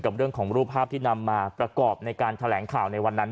เรื่องของรูปภาพที่นำมาประกอบในการแถลงข่าวในวันนั้น